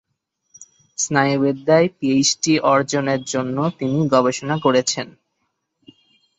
স্নায়ু বিদ্যায় পিএইচডি অর্জনের জন্য তিনি গবেষণা করেছেন।